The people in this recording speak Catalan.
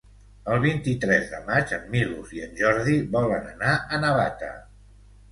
El vint-i-tres de maig en Milos i en Jordi volen anar a Navata.